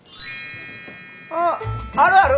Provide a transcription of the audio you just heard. ああるある！